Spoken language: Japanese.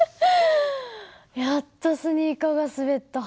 やっとスニーカーが滑った。